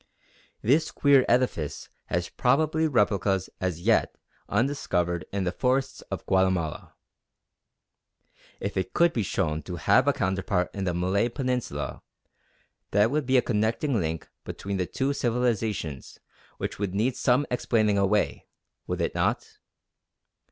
This queer edifice has probably replicas as yet undiscovered in the forests of Guatemala. If it could be shown to have a counterpart in the Malay Peninsula, that would be a connecting link between the two civilisations which would need some explaining away, would it not?